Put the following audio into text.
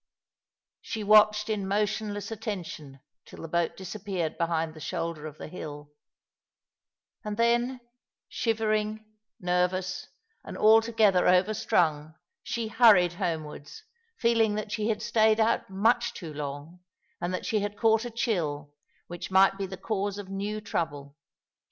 She watched in motionless attention till the boat disappeared behind the shoulder of the hill ; and then, shivering, nervous, and altogether over strung, she hurried homewards, feeling that she had stayed out much too long, and that she had caught a chill which might be the cause of new trouble.